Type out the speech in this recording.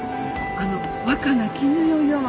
あの若菜絹代よ。